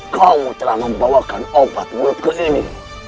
kamu telah membawakan obat muridku ini